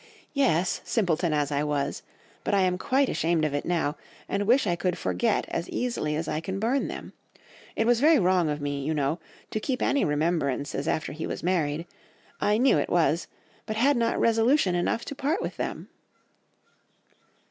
"'Yes, simpleton as I was!—but I am quite ashamed of it now, and wish I could forget as easily as I can burn them. It was very wrong of me, you know, to keep any remembrances after he was married. I knew it was—but had not resolution enough to part with them.